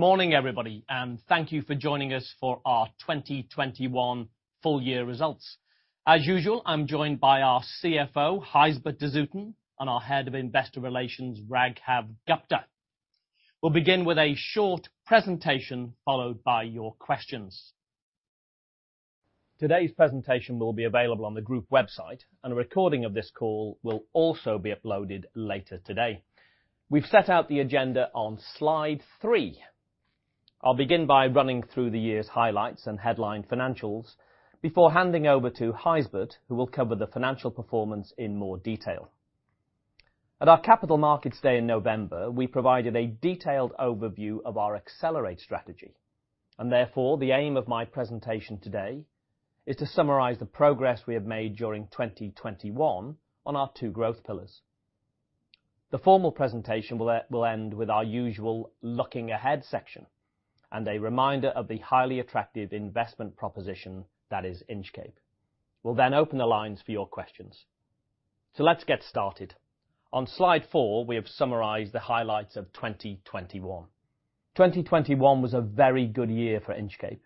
Good morning, everybody, thank you for joining us for our 2021 full year results. As usual, I'm joined by our CFO, Gijsbert de Zoeten, and our Head of Investor Relations, Raghav Gupta-Chaudhary. We'll begin with a short presentation followed by your questions. Today's presentation will be available on the group website, a recording of this call will also be uploaded later today. We've set out the agenda on slide three. I'll begin by running through the year's highlights and headline financials before handing over to Gijsbert, who will cover the financial performance in more detail. At our Capital Markets Day in November, we provided a detailed overview of our Accelerate strategy, therefore, the aim of my presentation today is to summarize the progress we have made during 2021 on our two growth pillars. The formal presentation will end with our usual looking ahead section and a reminder of the highly attractive investment proposition that is Inchcape. We'll then open the lines for your questions. Let's get started. On slide four, we have summarized the highlights of 2021. 2021 was a very good year for Inchcape.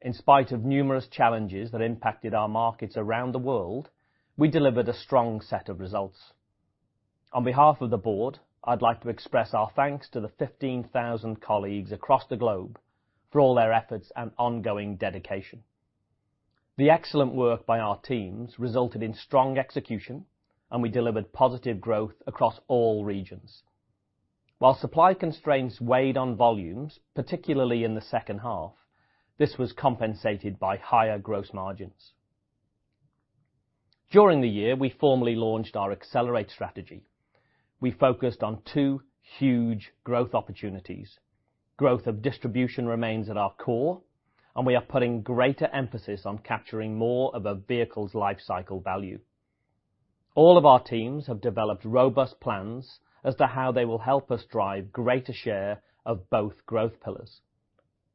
In spite of numerous challenges that impacted our markets around the world, we delivered a strong set of results. On behalf of the board, I'd like to express our thanks to the 15,000 colleagues across the globe for all their efforts and ongoing dedication. The excellent work by our teams resulted in strong execution, we delivered positive growth across all regions. While supply constraints weighed on volumes, particularly in the second half, this was compensated by higher gross margins. During the year, we formally launched our Accelerate strategy. We focused on two huge growth opportunities. Growth of distribution remains at our core, we are putting greater emphasis on capturing more of a vehicle's life cycle value. All of our teams have developed robust plans as to how they will help us drive greater share of both growth pillars.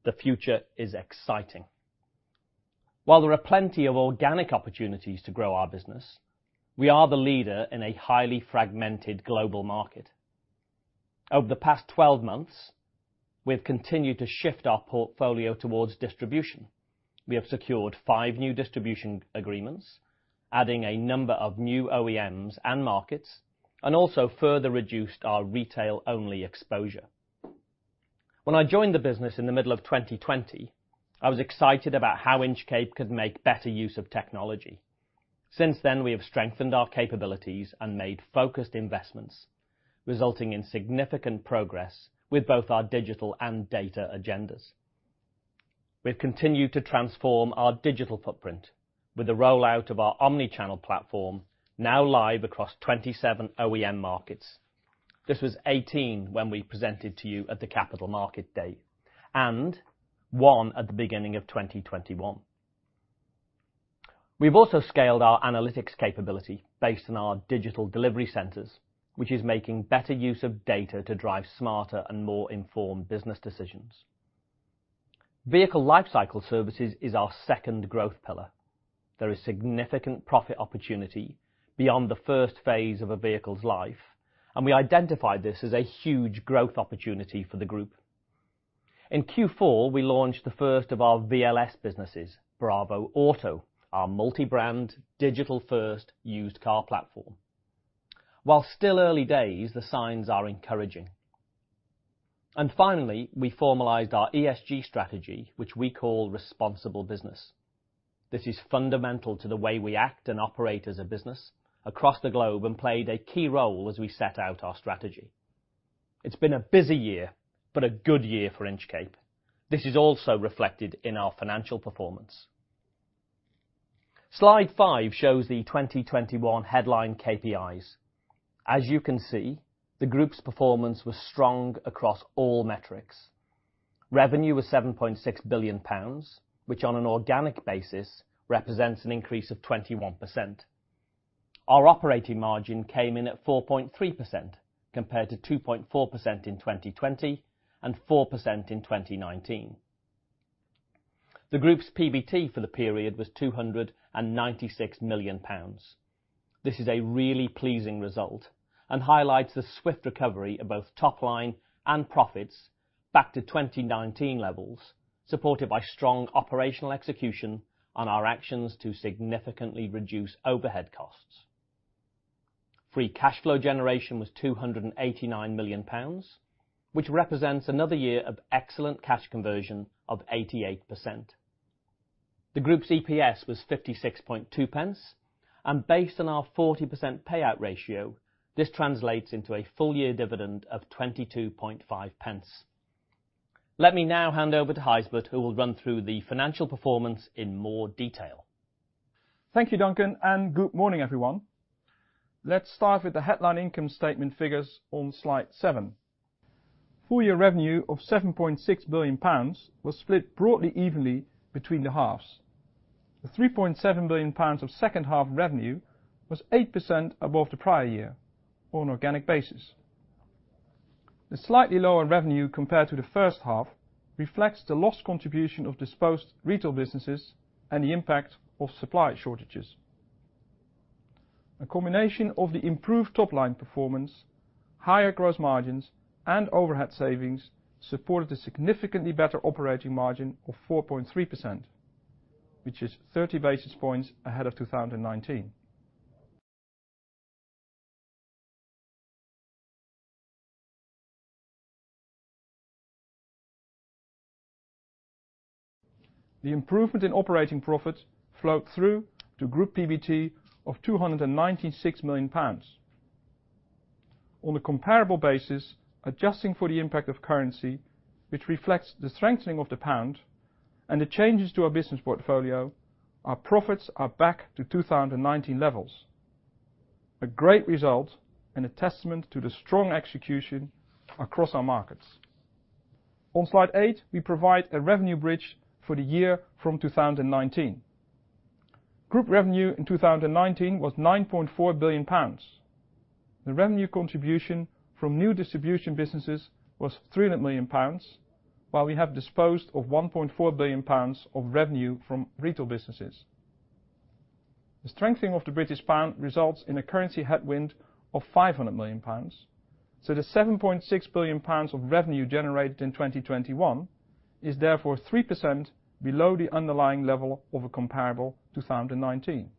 The future is exciting. While there are plenty of organic opportunities to grow our business, we are the leader in a highly fragmented global market. Over the past 12 months, we've continued to shift our portfolio towards distribution. We have secured five new distribution agreements, adding a number of new OEMs and markets, also further reduced our retail-only exposure. When I joined the business in the middle of 2020, I was excited about how Inchcape could make better use of technology. Since then, we have strengthened our capabilities and made focused investments, resulting in significant progress with both our digital and data agendas. We've continued to transform our digital footprint with the rollout of our omni-channel platform, now live across 27 OEM markets. This was 18 when we presented to you at the Capital Market Day, one at the beginning of 2021. We've also scaled our analytics capability based on our Digital Delivery Centers, which is making better use of data to drive smarter and more informed business decisions. Vehicle lifecycle services is our second growth pillar. There is significant profit opportunity beyond the first phase of a vehicle's life, we identified this as a huge growth opportunity for the group. In Q4, we launched the first of our VLS businesses, bravoauto, our multi-brand, digital-first used car platform. While still early days, the signs are encouraging. Finally, we formalized our ESG strategy, which we call Responsible Business. This is fundamental to the way we act and operate as a business across the globe and played a key role as we set out our strategy. It's been a busy year, but a good year for Inchcape. This is also reflected in our financial performance. Slide five shows the 2021 headline KPIs. As you can see, the group's performance was strong across all metrics. Revenue was 7.6 billion pounds, which on an organic basis represents an increase of 21%. Our operating margin came in at 4.3%, compared to 2.4% in 2020 and 4% in 2019. The group's PBT for the period was 296 million pounds. This is a really pleasing result and highlights the swift recovery of both top line and profits back to 2019 levels, supported by strong operational execution on our actions to significantly reduce overhead costs. Free cash flow generation was 289 million pounds, which represents another year of excellent cash conversion of 88%. The group's EPS was 0.562, and based on our 40% payout ratio, this translates into a full year dividend of 0.225. Let me now hand over to Gijsbert, who will run through the financial performance in more detail. Thank you, Duncan. Good morning, everyone. Let's start with the headline income statement figures on slide seven. Full-year revenue of 7.6 billion pounds was split broadly evenly between the halves. The 3.7 billion pounds of second half revenue was 8% above the prior year on an organic basis. The slightly lower revenue compared to the first half reflects the lost contribution of disposed retail businesses and the impact of supply shortages. A combination of the improved top-line performance, higher gross margins, and overhead savings supported a significantly better operating margin of 4.3%, which is 30 basis points ahead of 2019. The improvement in operating profit flowed through to group PBT of 296 million pounds. On a comparable basis, adjusting for the impact of currency, which reflects the strengthening of the pound and the changes to our business portfolio, our profits are back to 2019 levels. A great result, a testament to the strong execution across our markets. On Slide 8, we provide a revenue bridge for the year from 2019. Group revenue in 2019 was 9.4 billion pounds. The revenue contribution from new distribution businesses was 300 million pounds, while we have disposed of 1.4 billion pounds of revenue from retail businesses. The strengthening of the British pound results in a currency headwind of 500 million pounds. The 7.6 billion pounds of revenue generated in 2021 is therefore 3% below the underlying level of a comparable 2019.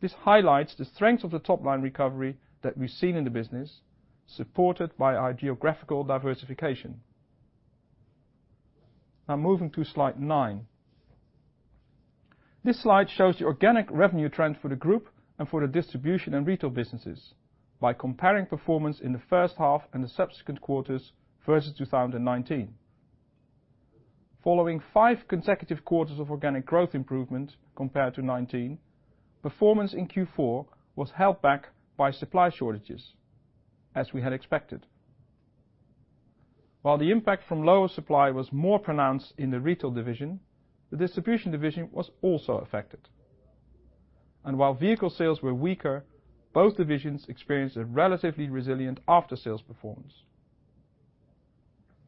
This highlights the strength of the top-line recovery that we've seen in the business, supported by our geographical diversification. Moving to Slide 9. This slide shows the organic revenue trend for the group and for the distribution and retail businesses by comparing performance in the first half and the subsequent quarters versus 2019. Following five consecutive quarters of organic growth improvement compared to 2019, performance in Q4 was held back by supply shortages, as we had expected. While the impact from lower supply was more pronounced in the retail division, the distribution division was also affected. While vehicle sales were weaker, both divisions experienced a relatively resilient after-sales performance.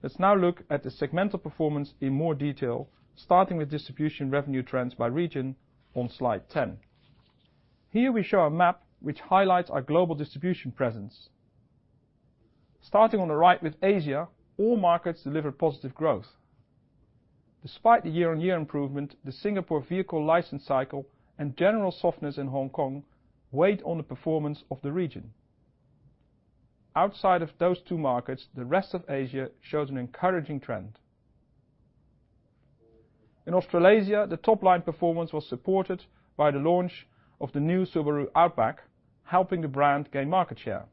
Let's now look at the segmental performance in more detail, starting with distribution revenue trends by region on Slide 10. Here we show a map which highlights our global distribution presence. Starting on the right with Asia, all markets delivered positive growth. Despite the year-on-year improvement, the Singapore vehicle license cycle and general softness in Hong Kong weighed on the performance of the region. Outside of those two markets, the rest of Asia shows an encouraging trend. In Australasia, the top-line performance was supported by the launch of the new Subaru Outback, helping the brand gain market share.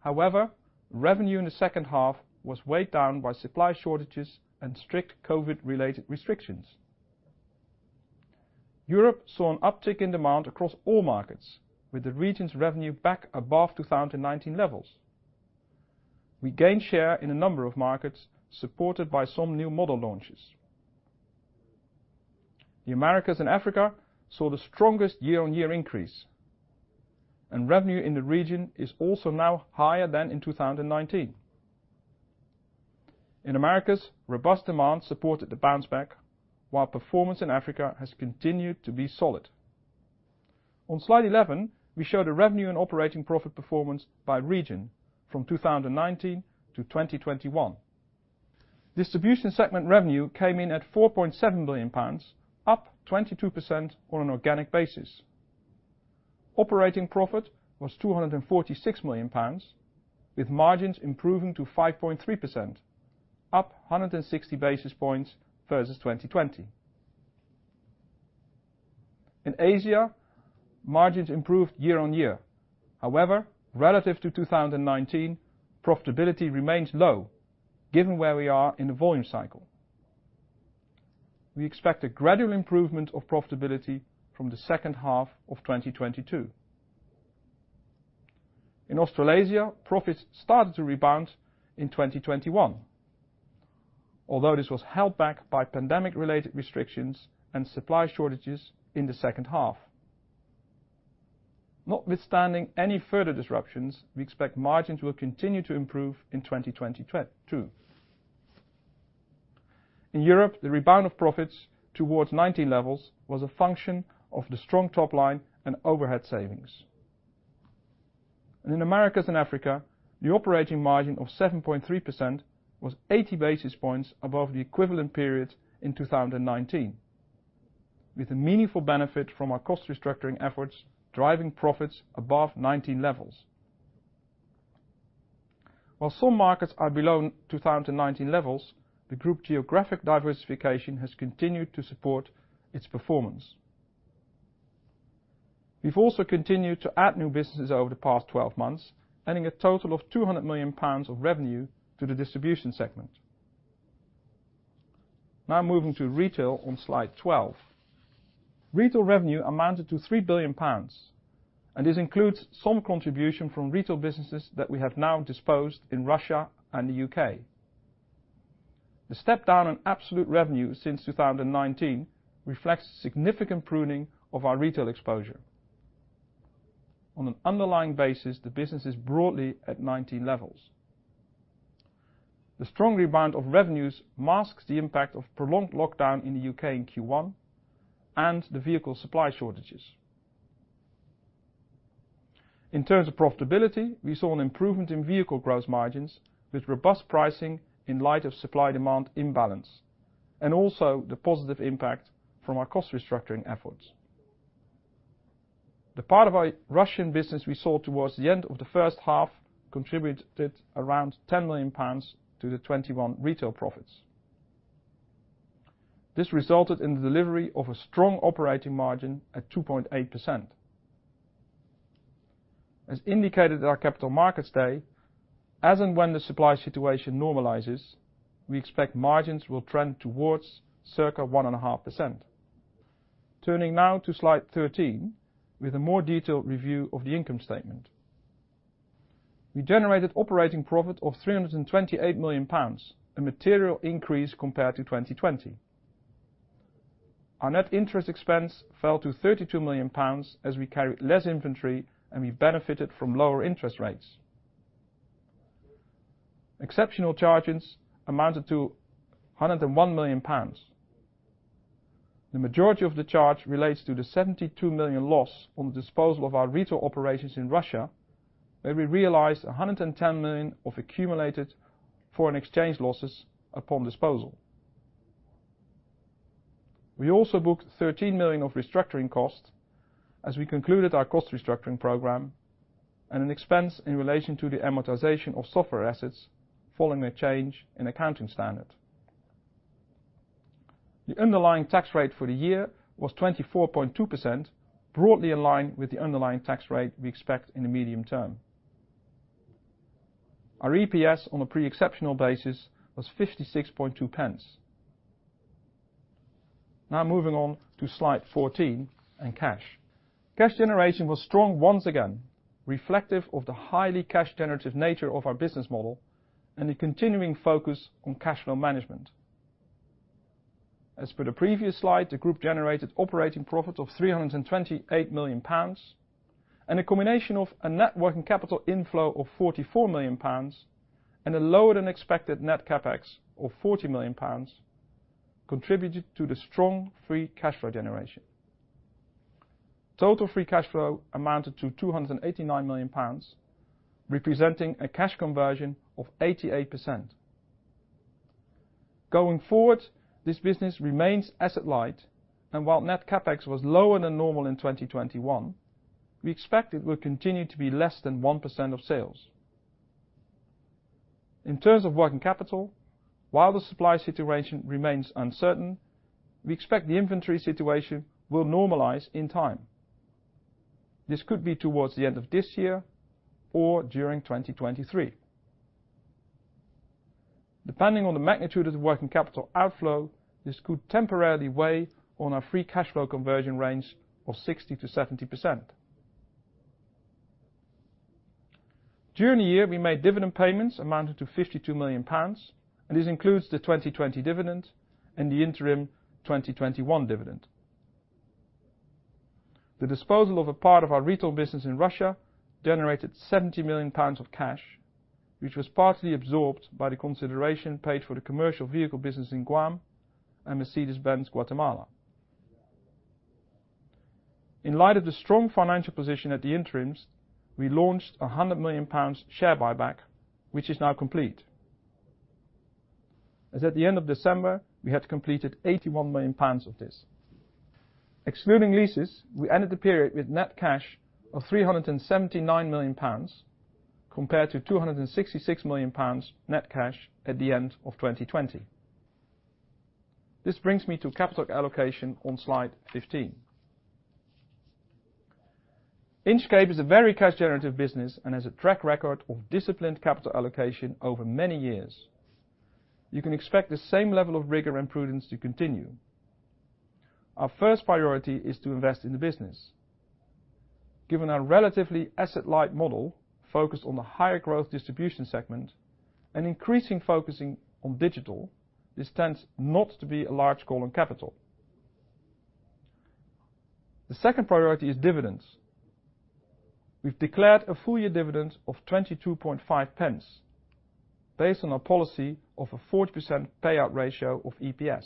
However, revenue in the second half was weighed down by supply shortages and strict COVID-related restrictions. Europe saw an uptick in demand across all markets, with the region's revenue back above 2019 levels. We gained share in a number of markets, supported by some new model launches. The Americas and Africa saw the strongest year-on-year increase, revenue in the region is also now higher than in 2019. In Americas, robust demand supported the bounce back, while performance in Africa has continued to be solid. On Slide 11, we show the revenue and operating profit performance by region from 2019 to 2021. Distribution segment revenue came in at 4.7 billion pounds, up 22% on an organic basis. Operating profit was 246 million pounds, with margins improving to 5.3%, up 160 basis points versus 2020. In Asia, margins improved year-on-year. However, relative to 2019, profitability remains low given where we are in the volume cycle. We expect a gradual improvement of profitability from the second half of 2022. In Australasia, profits started to rebound in 2021, although this was held back by pandemic-related restrictions and supply shortages in the second half. Notwithstanding any further disruptions, we expect margins will continue to improve in 2022. In Europe, the rebound of profits towards 2019 levels was a function of the strong top line and overhead savings. In Americas and Africa, the operating margin of 7.3% was 80 basis points above the equivalent periods in 2019, with a meaningful benefit from our cost restructuring efforts driving profits above 2019 levels. While some markets are below 2019 levels, the group geographic diversification has continued to support its performance. We've also continued to add new businesses over the past 12 months, adding a total of 200 million pounds of revenue to the distribution segment. Now moving to retail on Slide 12. Retail revenue amounted to 3 billion pounds, this includes some contribution from retail businesses that we have now disposed in Russia and the U.K. The step down in absolute revenue since 2019 reflects significant pruning of our retail exposure. On an underlying basis, the business is broadly at 2019 levels. The strong rebound of revenues masks the impact of prolonged lockdown in the U.K. in Q1 and the vehicle supply shortages. In terms of profitability, we saw an improvement in vehicle gross margins with robust pricing in light of supply-demand imbalance, also the positive impact from our cost restructuring efforts. The part of our Russian business we sold towards the end of the first half contributed around £10 million to the 2021 retail profits. This resulted in the delivery of a strong operating margin at 2.8%. As indicated at our Capital Markets Day, as and when the supply situation normalizes, we expect margins will trend towards circa 1.5%. Turning now to Slide 13 with a more detailed review of the income statement. We generated operating profit of £328 million, a material increase compared to 2020. Our net interest expense fell to £32 million as we carried less inventory, and we benefited from lower interest rates. Exceptional charges amounted to £101 million. The majority of the charge relates to the £72 million loss on the disposal of our retail operations in Russia, where we realized £110 million of accumulated foreign exchange losses upon disposal. We also booked £13 million of restructuring costs as we concluded our cost restructuring program and an expense in relation to the amortization of software assets following a change in accounting standard. The underlying tax rate for the year was 24.2%, broadly in line with the underlying tax rate we expect in the medium term. Our EPS on a pre-exceptional basis was 0.562. Moving on to Slide 14 and cash. Cash generation was strong once again, reflective of the highly cash generative nature of our business model and the continuing focus on cash flow management. As per the previous slide, the group generated operating profit of £328 million and a combination of a net working capital inflow of £44 million and a lower-than-expected net CapEx of £40 million contributed to the strong free cash flow generation. Total free cash flow amounted to £289 million, representing a cash conversion of 88%. Going forward, this business remains asset light, and while net CapEx was lower than normal in 2021, we expect it will continue to be less than 1% of sales. In terms of working capital, while the supply situation remains uncertain, we expect the inventory situation will normalize in time. This could be towards the end of this year or during 2023. Depending on the magnitude of the working capital outflow, this could temporarily weigh on our free cash flow conversion range of 60%-70%. During the year, we made dividend payments amounting to £52 million. This includes the 2020 dividend and the interim 2021 dividend. The disposal of a part of our retail business in Russia generated £70 million of cash, which was partly absorbed by the consideration paid for the commercial vehicle business in Guam and Mercedes-Benz Guatemala. In light of the strong financial position at the interims, we launched a £100 million share buyback, which is now complete, as at the end of December, we had completed £81 million of this. Excluding leases, we ended the period with net cash of £379 million compared to £266 million net cash at the end of 2020. This brings me to capital allocation on Slide 15. Inchcape is a very cash generative business and has a track record of disciplined capital allocation over many years. You can expect the same level of rigor and prudence to continue. Our first priority is to invest in the business. Given our relatively asset-light model focused on the higher growth distribution segment and increasing focusing on digital, this tends not to be a large call on capital. The second priority is dividends. We've declared a full-year dividend of 0.225 based on our policy of a 40% payout ratio of EPS.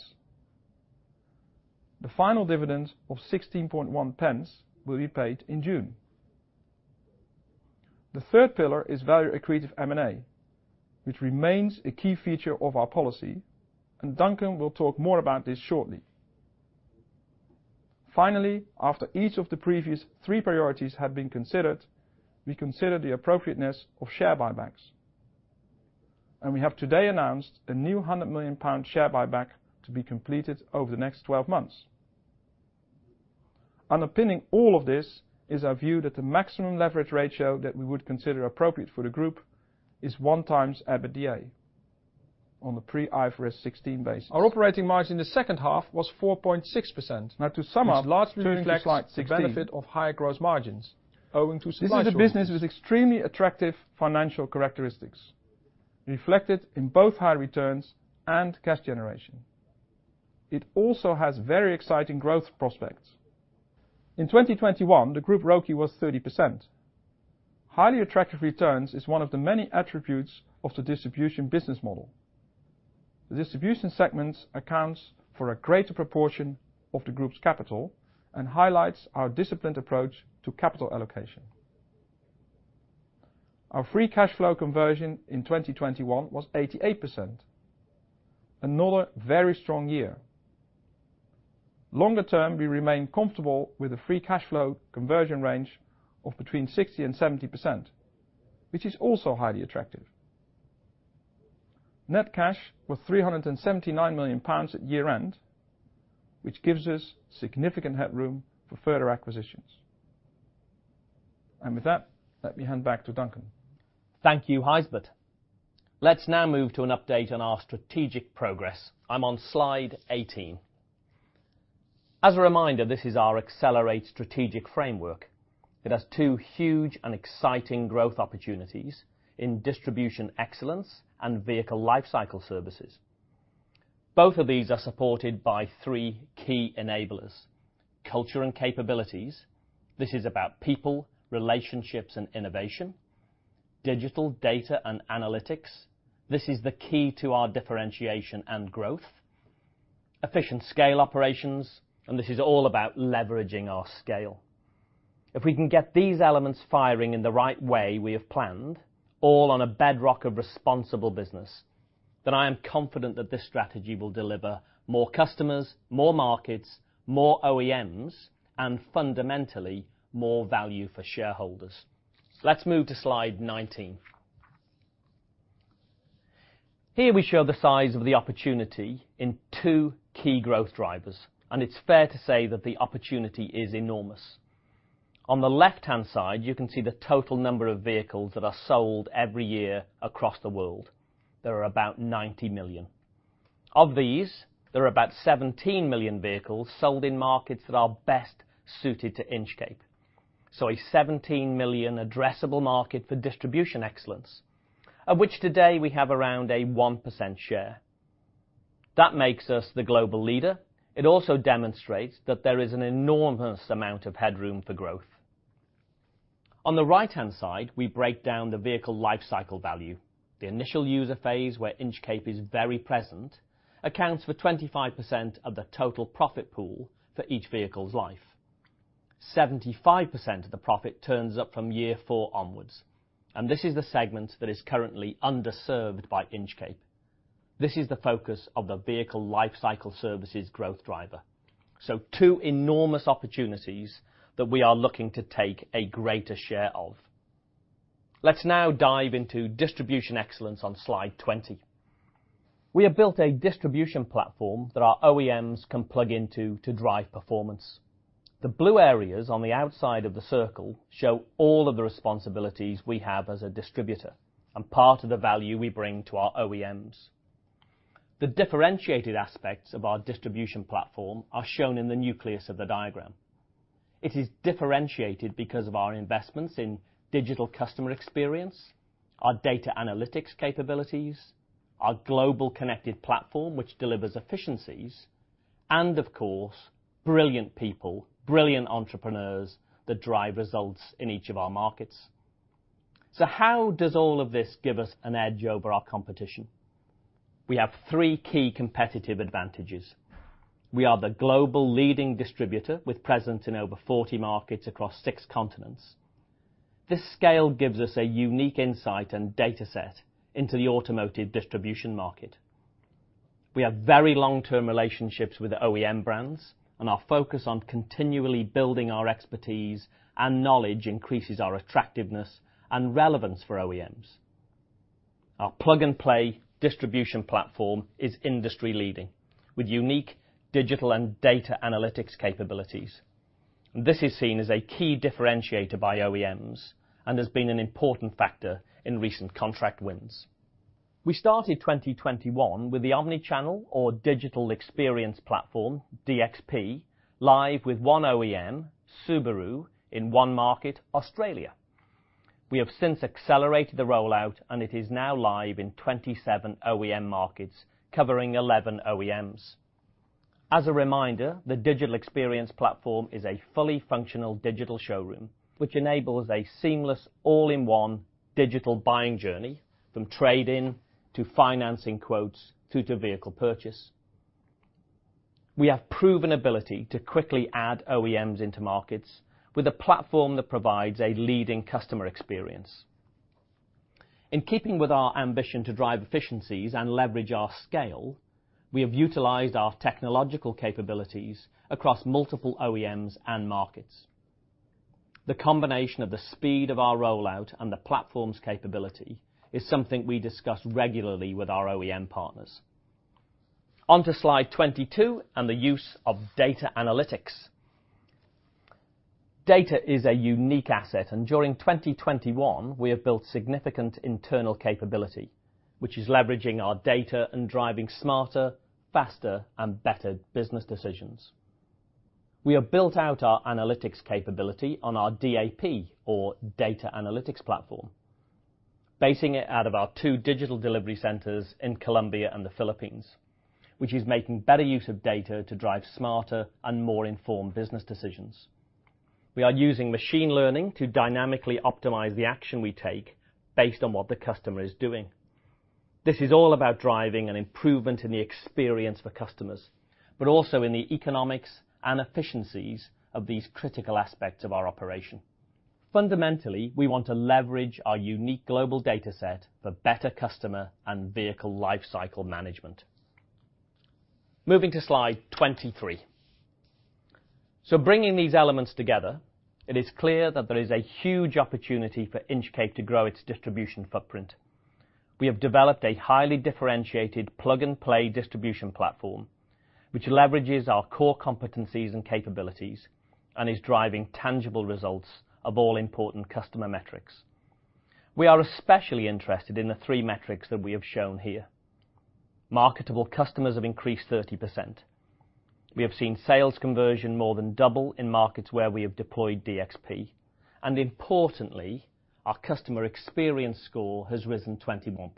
The final dividend of 0.161 will be paid in June. The third pillar is value accretive M&A, which remains a key feature of our policy, and Duncan will talk more about this shortly. Finally, after each of the previous three priorities have been considered, we consider the appropriateness of share buybacks, and we have today announced a new 100 million pound share buyback to be completed over the next 12 months. Underpinning all of this is our view that the maximum leverage ratio that we would consider appropriate for the group is one times EBITDA on a pre IFRS 16 basis. Our operating margin in the second half was 4.6%. To sum up, turning to Slide 16. This largely reflects the benefit of higher gross margins owing to supply shortages. This is a business with extremely attractive financial characteristics, reflected in both high returns and cash generation. It also has very exciting growth prospects. In 2021, the group ROCE was 30%. Highly attractive returns is one of the many attributes of the distribution business model. The distribution segment accounts for a greater proportion of the group's capital and highlights our disciplined approach to capital allocation. Our free cash flow conversion in 2021 was 88%, another very strong year. Longer term, we remain comfortable with a free cash flow conversion range of between 60%-70%, which is also highly attractive. Net cash was 379 million pounds at year-end, which gives us significant headroom for further acquisitions. With that, let me hand back to Duncan. Thank you, Gijsbert. Let's now move to an update on our strategic progress. I'm on Slide 18. As a reminder, this is our Accelerate strategic framework. It has two huge and exciting growth opportunities in distribution excellence and vehicle lifecycle services. Both of these are supported by three key enablers. Culture and capabilities. This is about people, relationships, and innovation. Digital data and analytics. This is the key to our differentiation and growth. Efficient scale operations, and this is all about leveraging our scale. If we can get these elements firing in the right way we have planned, all on a bedrock of Responsible Business, then I am confident that this strategy will deliver more customers, more markets, more OEMs, and fundamentally, more value for shareholders. Let's move to Slide 19. Here we show the size of the opportunity in two key growth drivers. It's fair to say that the opportunity is enormous. On the left-hand side, you can see the total number of vehicles that are sold every year across the world. There are about 90 million. Of these, there are about 17 million vehicles sold in markets that are best suited to Inchcape, so a 17 million addressable market for distribution excellence, of which today we have around a 1% share. That makes us the global leader. It also demonstrates that there is an enormous amount of headroom for growth. On the right-hand side, we break down the vehicle lifecycle value. The initial user phase, where Inchcape is very present, accounts for 25% of the total profit pool for each vehicle's life. 75% of the profit turns up from year four onwards. This is the segment that is currently underserved by Inchcape. This is the focus of the vehicle lifecycle services growth driver. Two enormous opportunities that we are looking to take a greater share of. Let's now dive into distribution excellence on Slide 20. We have built a distribution platform that our OEMs can plug into to drive performance. The blue areas on the outside of the circle show all of the responsibilities we have as a distributor and part of the value we bring to our OEMs. The differentiated aspects of our distribution platform are shown in the nucleus of the diagram. It is differentiated because of our investments in digital customer experience, our data analytics capabilities, our global connected platform, which delivers efficiencies, and of course, brilliant people, brilliant entrepreneurs that drive results in each of our markets. How does all of this give us an edge over our competition? We have three key competitive advantages. We are the global leading distributor, with presence in over 40 markets across six continents. This scale gives us a unique insight and data set into the automotive distribution market. We have very long-term relationships with OEM brands, and our focus on continually building our expertise and knowledge increases our attractiveness and relevance for OEMs. Our plug-and-play distribution platform is industry leading, with unique digital and data analytics capabilities. This is seen as a key differentiator by OEMs and has been an important factor in recent contract wins. We started 2021 with the omni-channel or Digital Experience Platform, DXP, live with one OEM, Subaru, in one market, Australia. We have since accelerated the rollout. It is now live in 27 OEM markets, covering 11 OEMs. As a reminder, the Digital Experience Platform is a fully functional digital showroom, which enables a seamless, all-in-one digital buying journey, from trade-in, to financing quotes, through to vehicle purchase. We have proven ability to quickly add OEMs into markets, with a platform that provides a leading customer experience. In keeping with our ambition to drive efficiencies and leverage our scale, we have utilized our technological capabilities across multiple OEMs and markets. The combination of the speed of our rollout and the platform's capability is something we discuss regularly with our OEM partners. Onto Slide 22 and the use of data analytics. Data is a unique asset. During 2021, we have built significant internal capability, which is leveraging our data and driving smarter, faster, and better business decisions. We have built out our analytics capability on our DAP, or Data Analytics Platform, basing it out of our two Digital Delivery Centers in Colombia and the Philippines, which is making better use of data to drive smarter and more informed business decisions. We are using machine learning to dynamically optimize the action we take based on what the customer is doing. This is all about driving an improvement in the experience for customers, but also in the economics and efficiencies of these critical aspects of our operation. Fundamentally, we want to leverage our unique global data set for better customer and vehicle lifecycle management. Moving to slide 23. Bringing these elements together, it is clear that there is a huge opportunity for Inchcape to grow its distribution footprint. We have developed a highly differentiated plug-and-play distribution platform, which leverages our core competencies and capabilities and is driving tangible results of all important customer metrics. We are especially interested in the three metrics that we have shown here. Marketable customers have increased 30%. We have seen sales conversion more than double in markets where we have deployed DXP. Importantly, our customer experience score has risen 21%.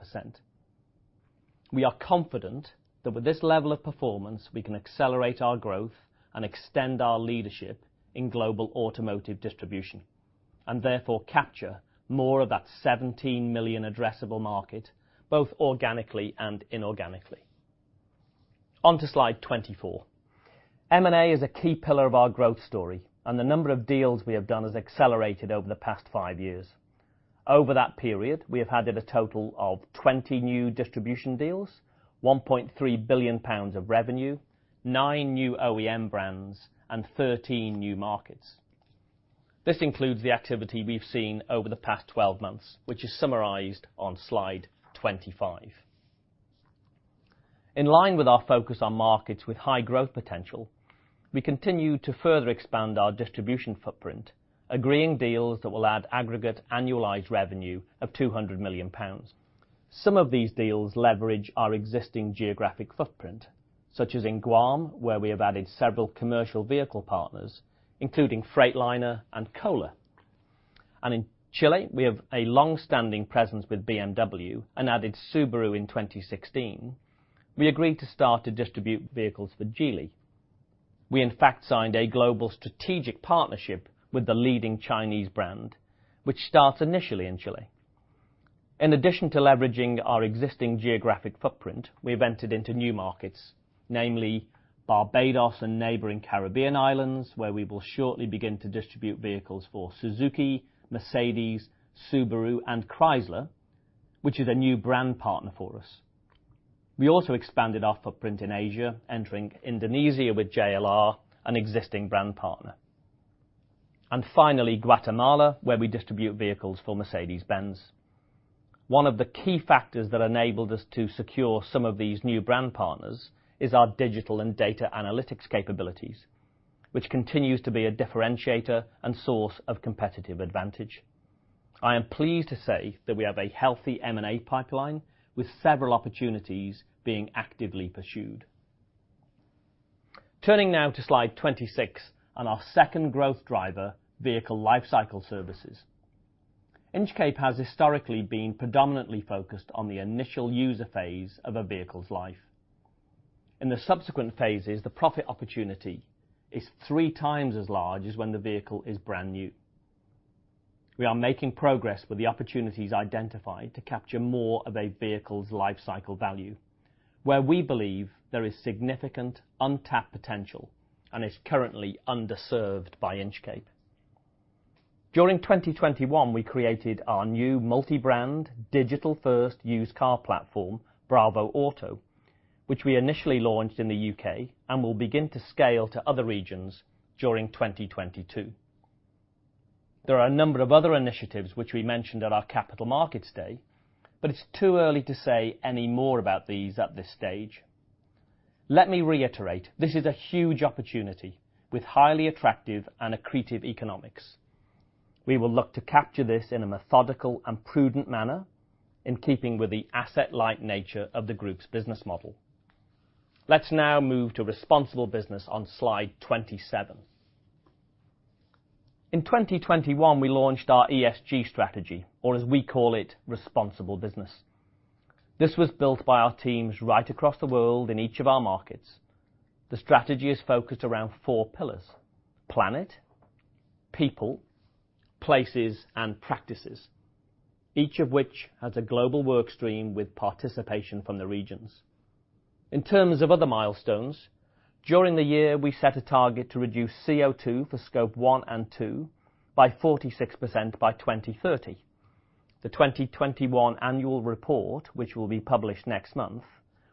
We are confident that with this level of performance, we can Accelerate our growth and extend our leadership in global automotive distribution and therefore capture more of that 17 million addressable market, both organically and inorganically. On to slide 24. M&A is a key pillar of our growth story. The number of deals we have done has accelerated over the past five years. Over that period, we have added a total of 20 new distribution deals, 1.3 billion pounds of revenue, nine new OEM brands, and 13 new markets. This includes the activity we've seen over the past 12 months, which is summarized on slide 25. In line with our focus on markets with high growth potential, we continue to further expand our distribution footprint, agreeing deals that will add aggregate annualized revenue of 200 million pounds. Some of these deals leverage our existing geographic footprint, such as in Guam, where we have added several commercial vehicle partners, including Freightliner and Kohler Co. In Chile, we have a long-standing presence with BMW and added Subaru in 2016. We agreed to start to distribute vehicles for Geely. We in fact signed a global strategic partnership with the leading Chinese brand, which starts initially in Chile. In addition to leveraging our existing geographic footprint, we've entered into new markets, namely Barbados and neighboring Caribbean islands, where we will shortly begin to distribute vehicles for Suzuki, Mercedes-Benz, Subaru, and Chrysler, which is a new brand partner for us. We also expanded our footprint in Asia, entering Indonesia with JLR, an existing brand partner. Finally, Guatemala, where we distribute vehicles for Mercedes-Benz. One of the key factors that enabled us to secure some of these new brand partners is our digital and Data Analytics capabilities, which continues to be a differentiator and source of competitive advantage. I am pleased to say that we have a healthy M&A pipeline with several opportunities being actively pursued. Turning now to slide 26 on our second growth driver, vehicle lifecycle services. Inchcape has historically been predominantly focused on the initial user phase of a vehicle's life. In the subsequent phases, the profit opportunity is 3 times as large as when the vehicle is brand new. We are making progress with the opportunities identified to capture more of a vehicle's life cycle value, where we believe there is significant untapped potential and is currently underserved by Inchcape. During 2021, we created our new multi-brand digital first used car platform, bravoauto, which we initially launched in the U.K. and will begin to scale to other regions during 2022. There are a number of other initiatives which we mentioned at our Capital Markets Day. It's too early to say any more about these at this stage. Let me reiterate, this is a huge opportunity with highly attractive and accretive economics. We will look to capture this in a methodical and prudent manner in keeping with the asset-light nature of the group's business model. Let's now move to Responsible Business on slide 27. In 2021, we launched our ESG strategy, or as we call it, Responsible Business. This was built by our teams right across the world in each of our markets. The strategy is focused around four pillars: planet, people, places, and practices, each of which has a global work stream with participation from the regions. In terms of other milestones, during the year, we set a target to reduce CO2 for Scope 1 and 2 by 46% by 2030. The 2021 annual report, which will be published next month,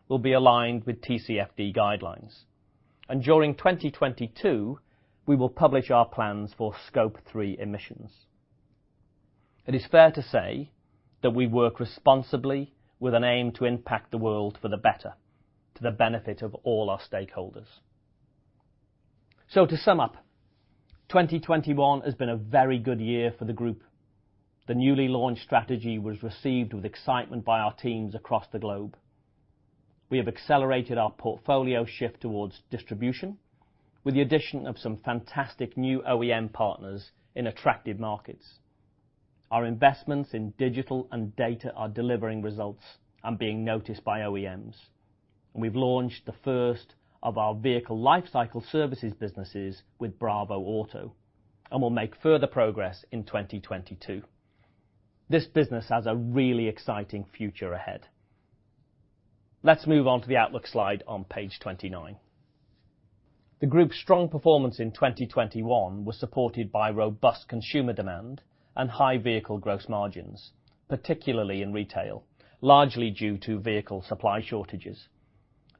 will be aligned with TCFD guidelines. During 2022, we will publish our plans for Scope 3 emissions. It is fair to say that we work responsibly with an aim to impact the world for the better, to the benefit of all our stakeholders. To sum up, 2021 has been a very good year for the group. The newly launched strategy was received with excitement by our teams across the globe. We have accelerated our portfolio shift towards distribution with the addition of some fantastic new OEM partners in attractive markets. Our investments in digital and data are delivering results and being noticed by OEMs. We've launched the first of our vehicle lifecycle services businesses with bravoauto, and will make further progress in 2022. This business has a really exciting future ahead. Let's move on to the outlook slide on page 29. The group's strong performance in 2021 was supported by robust consumer demand and high vehicle gross margins, particularly in retail, largely due to vehicle supply shortages.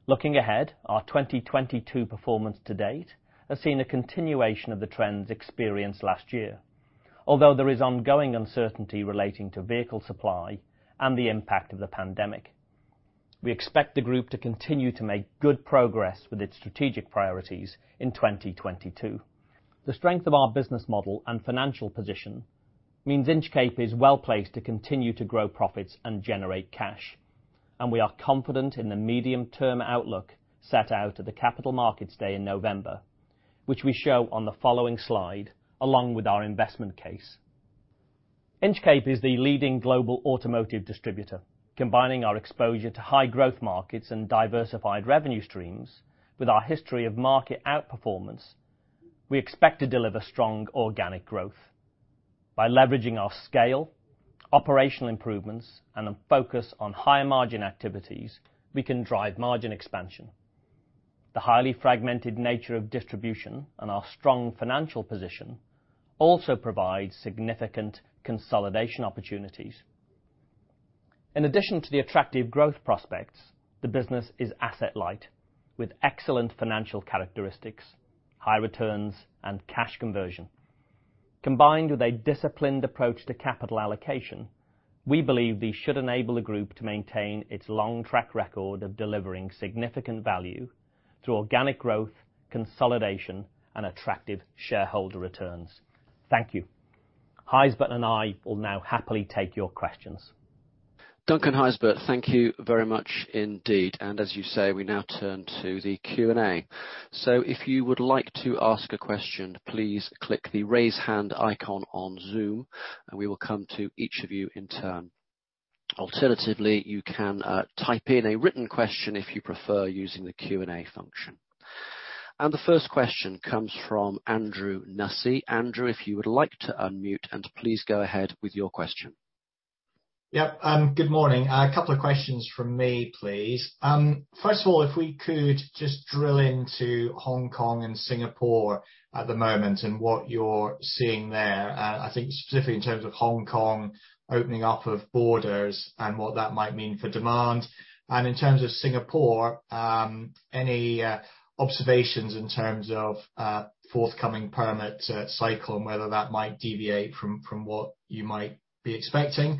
Looking ahead, our 2022 performance to date has seen a continuation of the trends experienced last year, although there is ongoing uncertainty relating to vehicle supply and the impact of the pandemic. We expect the group to continue to make good progress with its strategic priorities in 2022. The strength of our business model and financial position means Inchcape is well-placed to continue to grow profits and generate cash. We are confident in the medium-term outlook set out at the Capital Markets Day in November, which we show on the following slide, along with our investment case. Inchcape is the leading global automotive distributor, combining our exposure to high-growth markets and diversified revenue streams with our history of market outperformance. We expect to deliver strong organic growth. By leveraging our scale, operational improvements, and a focus on higher-margin activities, we can drive margin expansion. The highly fragmented nature of distribution and our strong financial position also provide significant consolidation opportunities. In addition to the attractive growth prospects, the business is asset light, with excellent financial characteristics, high returns, and cash conversion. Combined with a disciplined approach to capital allocation, we believe these should enable the group to maintain its long track record of delivering significant value through organic growth, consolidation, and attractive shareholder returns. Thank you. Gijsbert and I will now happily take your questions. Duncan, Gijsbert, thank you very much indeed. As you say, we now turn to the Q&A. If you would like to ask a question, please click the raise hand icon on Zoom, and we will come to each of you in turn. Alternatively, you can type in a written question if you prefer using the Q&A function. The first question comes from Andrew Nussey. Andrew, if you would like to unmute and please go ahead with your question. Yep. Good morning. A couple of questions from me, please. First of all, if we could just drill into Hong Kong and Singapore at the moment and what you're seeing there, I think specifically in terms of Hong Kong opening up of borders and what that might mean for demand. In terms of Singapore, any observations in terms of forthcoming permit cycle and whether that might deviate from what you might be expecting.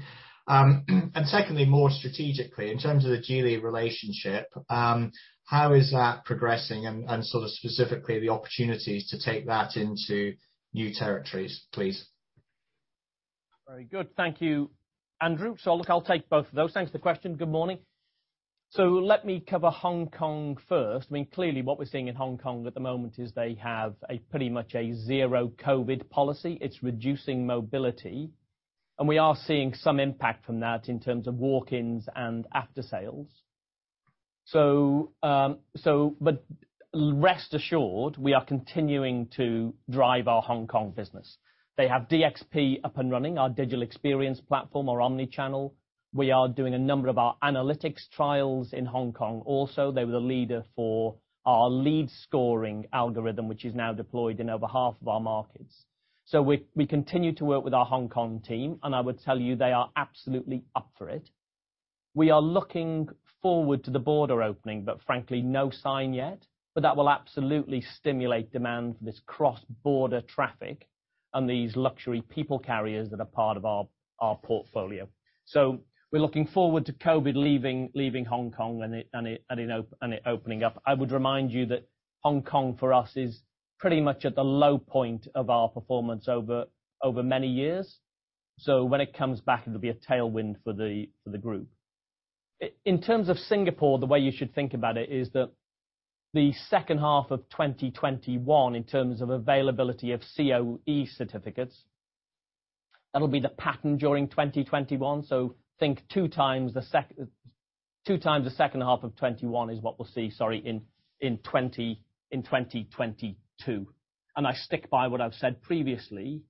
Secondly, more strategically, in terms of the Geely relationship, how is that progressing and sort of specifically the opportunities to take that into new territories, please? Very good. Thank you, Andrew. Look, I'll take both of those. Thanks for the question. Good morning. Let me cover Hong Kong first. Clearly, what we're seeing in Hong Kong at the moment is they have pretty much a zero COVID policy. It's reducing mobility, and we are seeing some impact from that in terms of walk-ins and aftersales. Rest assured, we are continuing to drive our Hong Kong business. They have DXP up and running, our Digital Experience Platform, our omni-channel. We are doing a number of our analytics trials in Hong Kong also. They were the leader for our lead scoring algorithm, which is now deployed in over half of our markets. We continue to work with our Hong Kong team, and I would tell you they are absolutely up for it. We are looking forward to the border opening, frankly, no sign yet, that will absolutely stimulate demand for this cross-border traffic and these luxury people carriers that are part of our portfolio. We're looking forward to COVID leaving Hong Kong and it opening up. I would remind you that Hong Kong, for us, is pretty much at the low point of our performance over many years. When it comes back, it'll be a tailwind for the group. In terms of Singapore, the way you should think about it is that the second half of 2021, in terms of availability of COE certificates, that'll be the pattern during 2021. Think two times the second half of 2021 is what we'll see in 2022. I stick by what I've said previously,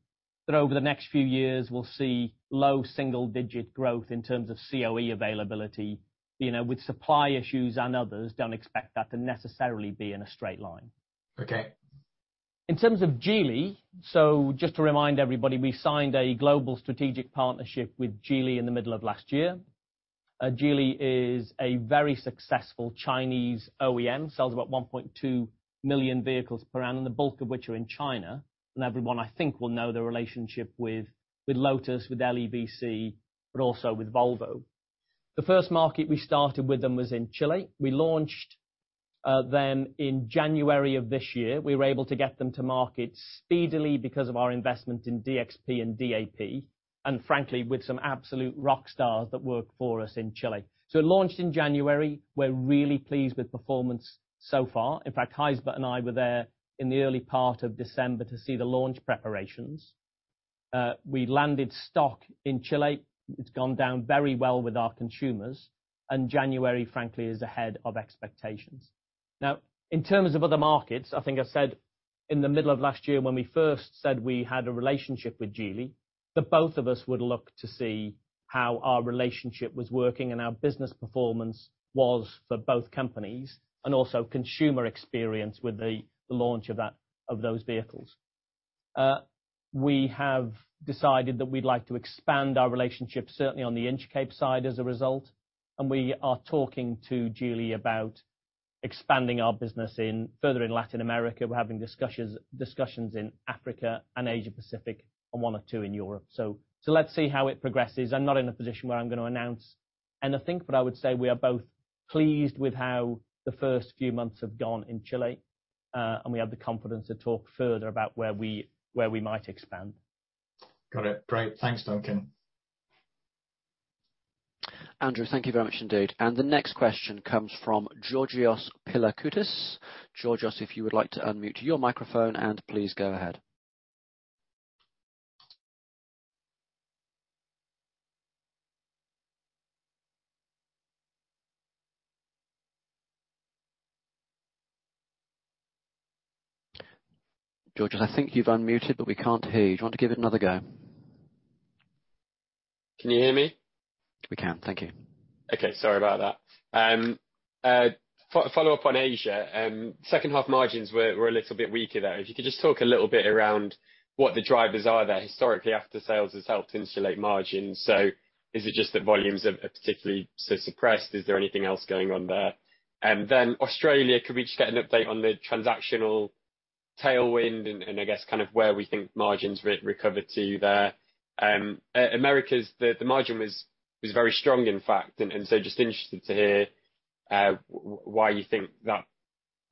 that over the next few years, we'll see low single-digit growth in terms of COE availability. With supply issues and others, don't expect that to necessarily be in a straight line. Okay. In terms of Geely, just to remind everybody, we signed a global strategic partnership with Geely in the middle of last year. Geely is a very successful Chinese OEM, sells about 1.2 million vehicles per annum, the bulk of which are in China. Everyone, I think, will know the relationship with Lotus, with LEVC, but also with Volvo. The first market we started with them was in Chile. We launched them in January of this year, we were able to get them to market speedily because of our investment in DXP and DAP, and frankly, with some absolute rock stars that work for us in Chile. It launched in January. We're really pleased with performance so far. In fact, Gijsbert and I were there in the early part of December to see the launch preparations. We landed stock in Chile. It's gone down very well with our consumers, January, frankly, is ahead of expectations. In terms of other markets, I think I said in the middle of last year when we first said we had a relationship with Geely, that both of us would look to see how our relationship was working and our business performance was for both companies, and also consumer experience with the launch of those vehicles. We have decided that we'd like to expand our relationship, certainly on the Inchcape side as a result, we are talking to Geely about expanding our business further in Latin America. We're having discussions in Africa and Asia Pacific and one or two in Europe. Let's see how it progresses. I'm not in a position where I'm going to announce anything. I would say we are both pleased with how the first few months have gone in Chile, and we have the confidence to talk further about where we might expand. Got it. Great. Thanks, Duncan. Andrew, thank you very much indeed. The next question comes from Georgios Pilakoutas. Georgios, if you would like to unmute your microphone and please go ahead. Georgios, I think you've unmuted, but we can't hear you. Do you want to give it another go? Can you hear me? We can. Thank you. Okay. Sorry about that. Follow up on Asia. Second half margins were a little bit weaker there. If you could just talk a little bit around what the drivers are there. Historically, aftersales has helped insulate margins. Is it just that volumes are particularly so suppressed? Is there anything else going on there? Australia, could we just get an update on the transactional tailwind and I guess where we think margins recovered to there? Americas, the margin was very strong, in fact. Just interested to hear why you think that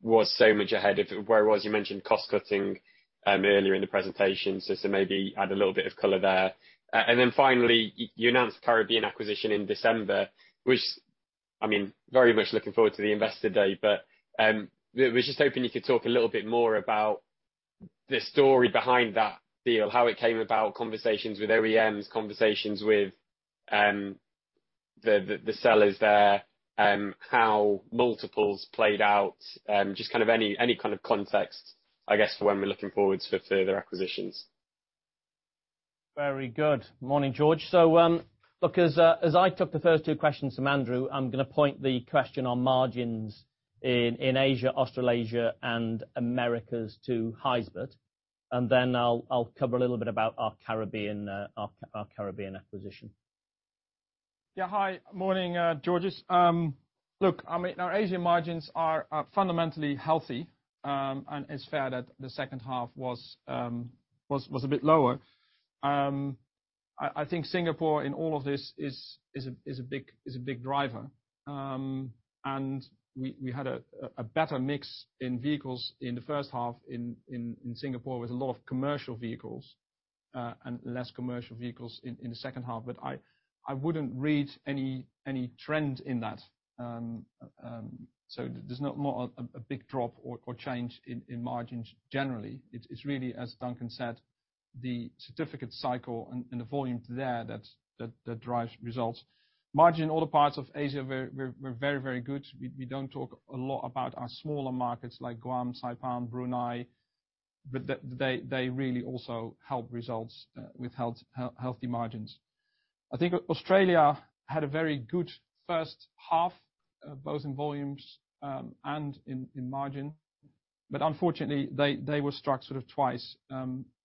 was so much ahead of where it was. You mentioned cost cutting earlier in the presentation, just to maybe add a little bit of color there. Finally, you announced Caribbean acquisition in December, which, I mean, very much looking forward to the investor day, but was just hoping you could talk a little bit more about the story behind that deal, how it came about, conversations with OEMs, conversations with the sellers there, how multiples played out, just any kind of context, I guess, for when we're looking forward for further acquisitions. Very good. Morning, George. Look, as I took the first two questions from Andrew, I'm going to point the question on margins in Asia, Australasia, and Americas to Gijsbert, and then I'll cover a little bit about our Caribbean acquisition. Hi. Morning, Georgios. Look, our Asian margins are fundamentally healthy. It's fair that the second half was a bit lower. I think Singapore in all of this is a big driver. We had a better mix in vehicles in the first half in Singapore with a lot of commercial vehicles and less commercial vehicles in the second half. I wouldn't read any trend in that. There's not a big drop or change in margins generally. It's really, as Duncan said, the certificate cycle and the volume there that drives results. Margin in other parts of Asia were very good. We don't talk a lot about our smaller markets like Guam, Saipan, Brunei, but they really also help results with healthy margins. I think Australia had a very good first half, both in volumes and in margin. Unfortunately, they were struck sort of twice,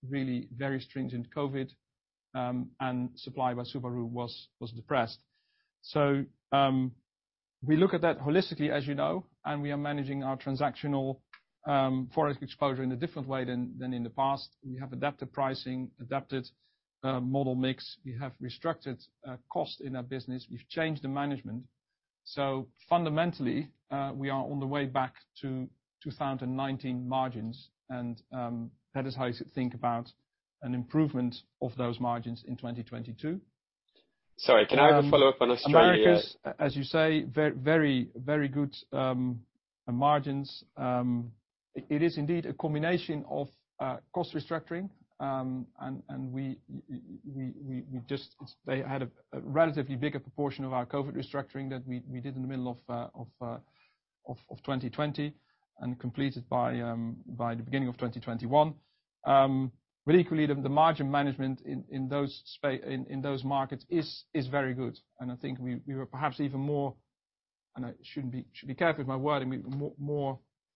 really very stringent COVID, and supply by Subaru was depressed. We look at that holistically, as you know. We are managing our transactional forex exposure in a different way than in the past. We have adapted pricing, adapted model mix. We have restructured cost in our business. We've changed the management. Fundamentally, we are on the way back to 2019 margins, and that is how you should think about an improvement of those margins in 2022. Sorry, can I have a follow-up on Australia? Americas, as you say, very good margins. It is indeed a combination of cost restructuring. They had a relatively bigger proportion of our COVID restructuring that we did in the middle of 2020 and completed by the beginning of 2021. Equally, the margin management in those markets is very good. I think we were perhaps even more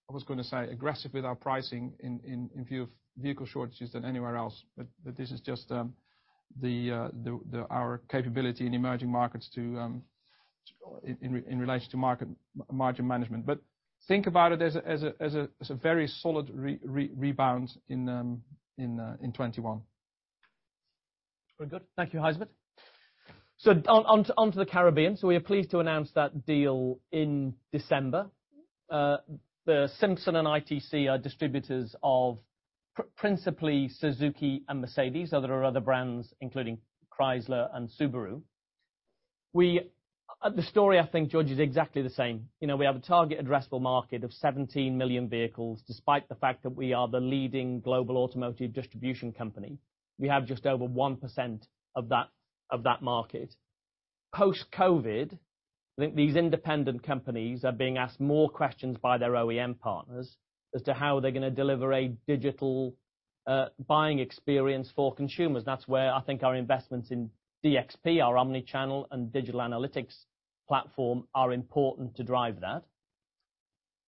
aggressive with our pricing in view of vehicle shortages than anywhere else. This is just our capability in emerging markets in relation to margin management. Think about it as a very solid rebound in 2021. Very good. Thank you, Gijsbert. Onto the Caribbean. We are pleased to announce that deal in December. Simpson and ITC are distributors of principally Suzuki and Mercedes. There are other brands, including Chrysler and Subaru. The story, I think, George, is exactly the same. We have a target addressable market of 17 million vehicles. Despite the fact that we are the leading global automotive distribution company, we have just over 1% of that market. Post-COVID, I think these independent companies are being asked more questions by their OEM partners as to how they're going to deliver a digital buying experience for consumers. That's where I think our investments in DXP, our omni-channel and digital analytics platform, are important to drive that.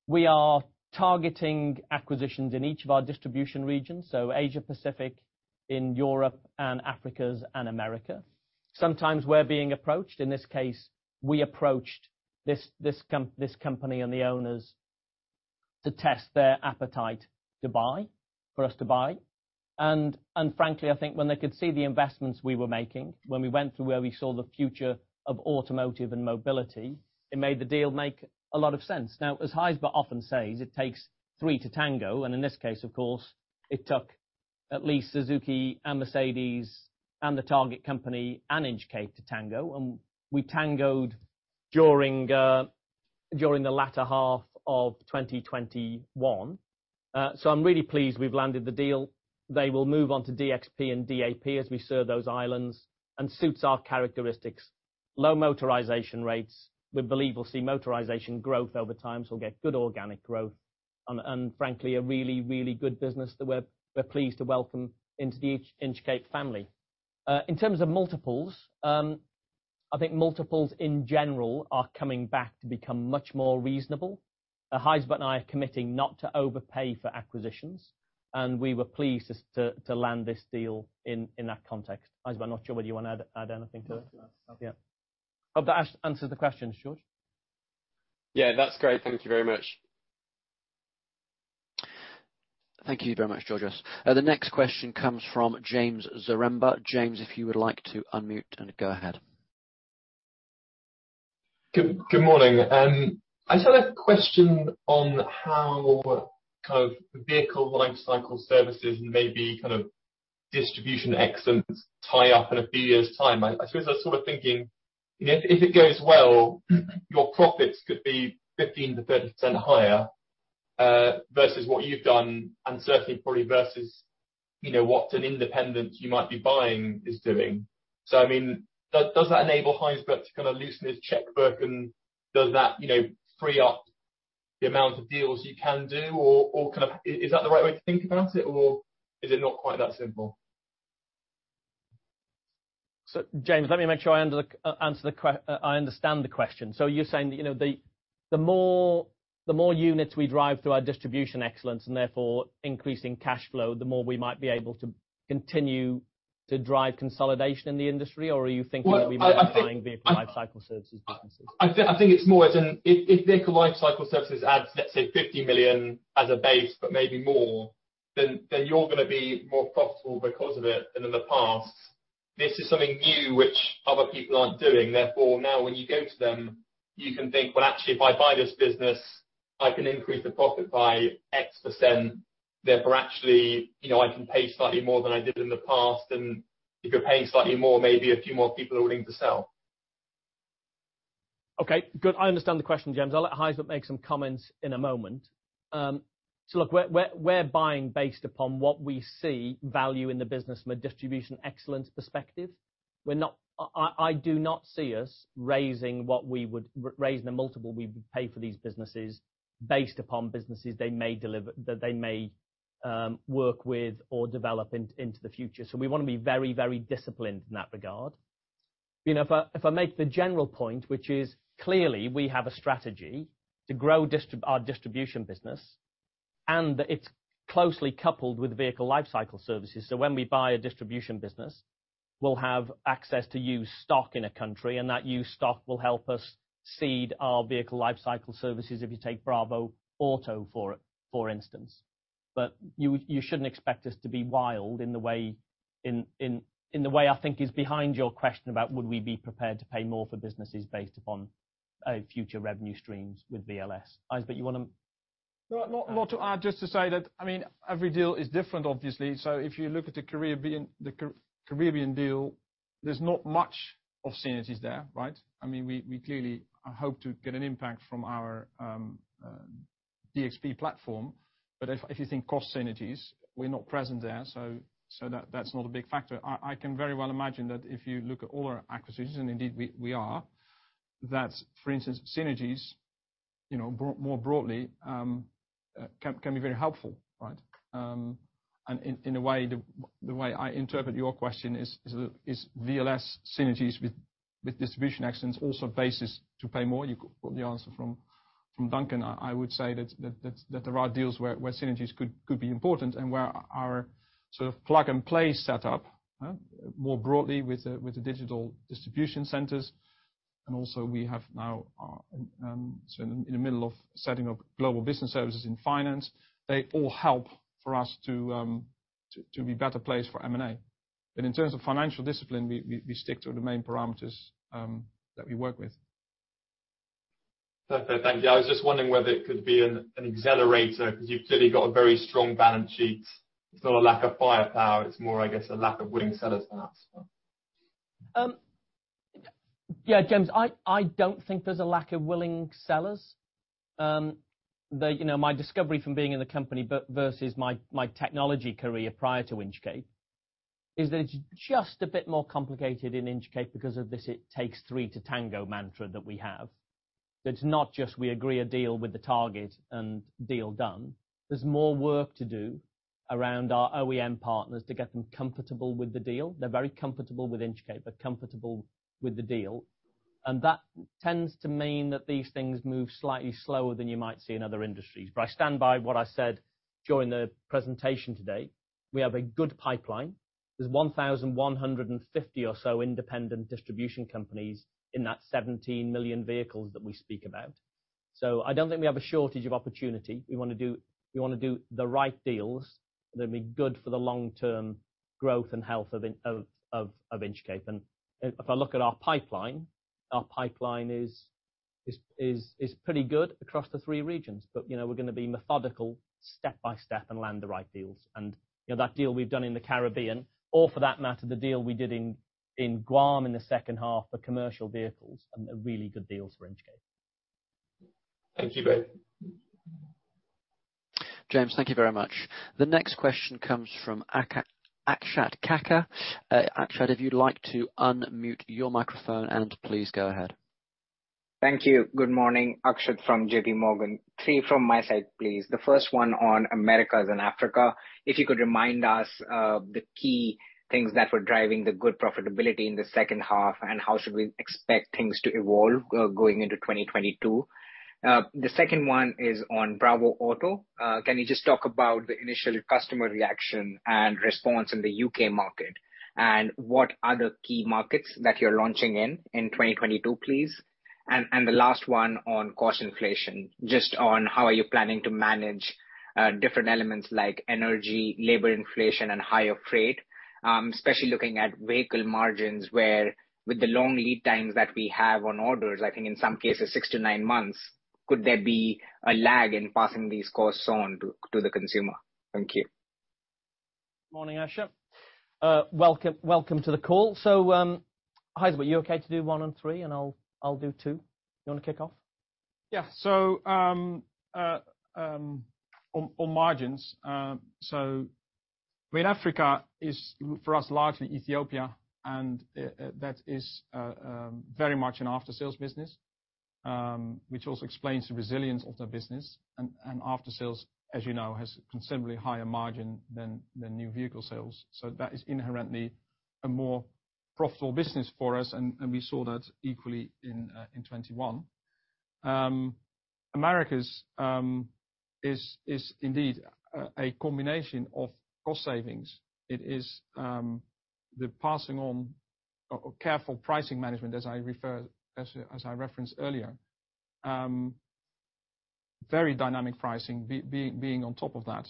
We are targeting acquisitions in each of our distribution regions, Asia Pacific, in Europe, and Africas, and America. Sometimes we're being approached. In this case, we approached this company and the owners to test their appetite to buy, for us to buy. Frankly, I think when they could see the investments we were making, when we went through where we saw the future of automotive and mobility, it made the deal make a lot of sense. As Gijsbert often says, it takes three to tango, and in this case, of course, it took at least Suzuki and Mercedes and the target company and Inchcape to tango, and we tangoed during the latter half of 2021. I'm really pleased we've landed the deal. They will move on to DXP and DAP as we serve those islands, and suits our characteristics. Low motorization rates. We believe we'll see motorization growth over time, we'll get good organic growth, frankly, a really, really good business that we're pleased to welcome into the Inchcape family. In terms of multiples, I think multiples in general are coming back to become much more reasonable. Gijsbert and I are committing not to overpay for acquisitions, and we were pleased to land this deal in that context. Gijsbert, not sure whether you want to add anything to that. No. Hope that answers the question, George. Yeah. That's great. Thank you very much. Thank you very much, Georgios. The next question comes from James Zaremba. James, if you would like to unmute and go ahead. Good morning. I just had a question on how the vehicle lifecycle services and maybe distribution excellence tie up in a few years' time. I suppose I was thinking, if it goes well, your profits could be 15%-30% higher, versus what you've done and certainly probably versus what an independent you might be buying is doing. Does that enable Gijsbert to loosen his checkbook, and does that free up the amount of deals you can do? Is that the right way to think about it, or is it not quite that simple? James, let me make sure I understand the question. Are you saying that the more units we drive through our distribution excellence and therefore increasing cash flow, the more we might be able to continue to drive consolidation in the industry? Are you thinking that we might- I think. be buying vehicle lifecycle services businesses? I think it's more if vehicle lifecycle services adds, let's say, 50 million as a base, but maybe more, you're going to be more profitable because of it than in the past. This is something new which other people aren't doing. Now when you go to them, you can think, "Actually, if I buy this business, I can increase the profit by X%. Actually, I can pay slightly more than I did in the past." If you're paying slightly more, maybe a few more people are willing to sell. Okay, good. I understand the question, James. I'll let Gijsbert make some comments in a moment. Look, we're buying based upon what we see value in the business from a distribution excellence perspective. I do not see us raising the multiple we pay for these businesses based upon businesses that they may work with or develop into the future. We want to be very, very disciplined in that regard. If I make the general point, which is clearly we have a strategy to grow our distribution business, and it's closely coupled with vehicle lifecycle services. When we buy a distribution business, we'll have access to used stock in a country, and that used stock will help us seed our vehicle lifecycle services, if you take bravoauto for instance. You shouldn't expect us to be wild in the way I think is behind your question about would we be prepared to pay more for businesses based upon future revenue streams with VLS. Gijsbert, you want to? Not to add, just to say that every deal is different, obviously. If you look at the Caribbean deal, there's not much of synergies there, right? We clearly hope to get an impact from our DXP platform. If you think cost synergies, we're not present there, so that's not a big factor. I can very well imagine that if you look at all our acquisitions, and indeed we are, that, for instance, synergies more broadly can be very helpful, right? In the way I interpret your question is VLS synergies with distribution excellence also a basis to pay more? You got the answer from Duncan. I would say that there are deals where synergies could be important and where our plug-and-play setup more broadly with the Digital Delivery Centers Also we have now, in the middle of setting up Global Business Services in finance. They all help for us to be better placed for M&A. In terms of financial discipline, we stick to the main parameters that we work with. Perfect. Thank you. I was just wondering whether it could be an accelerator, because you've clearly got a very strong balance sheet. It's not a lack of firepower, it's more, I guess, a lack of willing sellers than that. James, I don't think there's a lack of willing sellers. My discovery from being in the company versus my technology career prior to Inchcape is that it's just a bit more complicated in Inchcape because of this it takes three to tango mantra that we have. It's not just we agree a deal with the target and deal done. There's more work to do around our OEM partners to get them comfortable with the deal. They're very comfortable with Inchcape, but comfortable with the deal. That tends to mean that these things move slightly slower than you might see in other industries. I stand by what I said during the presentation today. We have a good pipeline. There's 1,150 or so independent distribution companies in that 17 million vehicles that we speak about. I don't think we have a shortage of opportunity. We want to do the right deals that'll be good for the long-term growth and health of Inchcape. If I look at our pipeline, our pipeline is pretty good across the three regions. We're going to be methodical step by step and land the right deals. That deal we've done in the Caribbean, or for that matter, the deal we did in Guam in the second half for commercial vehicles are really good deals for Inchcape. Thank you both. James, thank you very much. The next question comes from Akshat Kakkar. Akshat, if you'd like to unmute your microphone, please go ahead. Thank you. Good morning, Akshat from J.PMorgan. Three from my side, please. The first one on Americas and Africa. If you could remind us the key things that were driving the good profitability in the second half, and how should we expect things to evolve going into 2022? The second one is on bravoauto. Can you just talk about the initial customer reaction and response in the U.K. market, and what are the key markets that you're launching in in 2022, please? The last one on cost inflation, just on how are you planning to manage different elements like energy, labor inflation, and higher freight. Especially looking at vehicle margins, where with the long lead times that we have on orders, I think in some cases 6-9 months, could there be a lag in passing these costs on to the consumer? Thank you. Morning, Akshat. Welcome to the call. Gijsbert, you okay to do one and three and I'll do two? You want to kick off? On margins, I mean Africa is, for us, largely Ethiopia, and that is very much an after-sales business, which also explains the resilience of the business. After-sales, as you know, has considerably higher margin than new vehicle sales. That is inherently a more profitable business for us, and we saw that equally in 2021. Americas is indeed a combination of cost savings. It is the passing on or careful pricing management, as I referenced earlier. Very dynamic pricing being on top of that.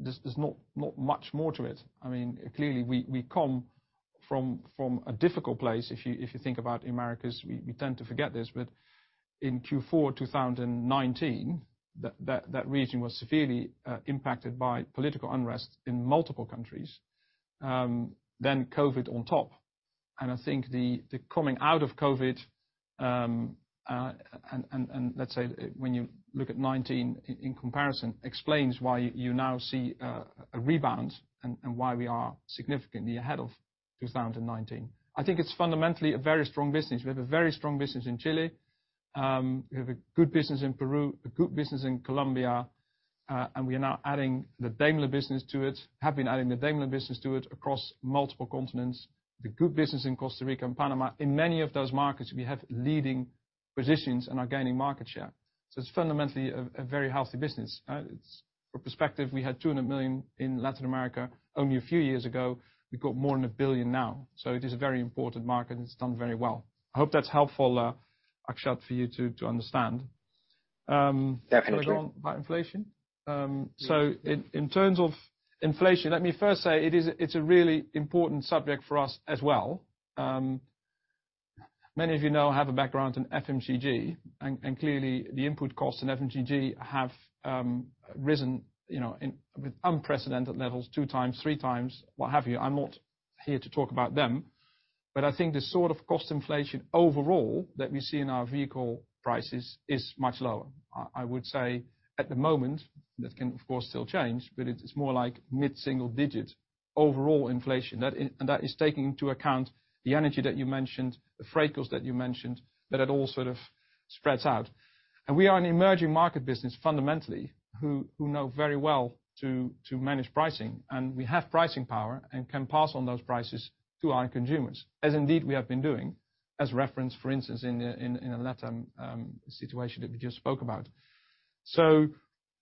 There's not much more to it. Clearly, we come from a difficult place. If you think about Americas, we tend to forget this, but in Q4 2019, that region was severely impacted by political unrest in multiple countries, then COVID on top. I think the coming out of COVID, and let's say when you look at 2019 in comparison, explains why you now see a rebound and why we are significantly ahead of 2019. I think it's fundamentally a very strong business. We have a very strong business in Chile. We have a good business in Peru, a good business in Colombia, and we are now adding the Daimler business to it, have been adding the Daimler business to it across multiple continents. The good business in Costa Rica and Panama. In many of those markets, we have leading positions and are gaining market share. It's fundamentally a very healthy business. For perspective, we had 200 million in Latin America only a few years ago. We've got more than 1 billion now. It is a very important market, and it's done very well. I hope that's helpful, Akshat, for you to understand. Definitely. Can I go on about inflation? Yes. In terms of inflation, let me first say it's a really important subject for us as well. Many of you know I have a background in FMCG, clearly the input costs in FMCG have risen with unprecedented levels, two times, three times, what have you. I'm not here to talk about them. I think the sort of cost inflation overall that we see in our vehicle prices is much lower. I would say at the moment, that can of course still change, but it's more like mid-single digit overall inflation. That is taking into account the energy that you mentioned, the freight costs that you mentioned, that it all sort of spreads out. We are an emerging market business fundamentally who know very well to manage pricing, and we have pricing power and can pass on those prices to our consumers, as indeed we have been doing as referenced, for instance, in the LatAm situation that we just spoke about.